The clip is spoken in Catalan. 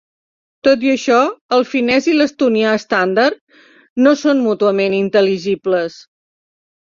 Tot i això, el finès i l'estonià estàndard no són mútuament intel·ligibles.